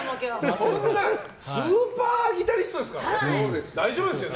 スーパーギタリストですから。